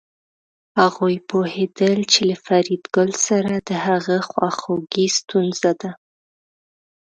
هغوی پوهېدل چې له فریدګل سره د هغه خواخوږي ستونزه ده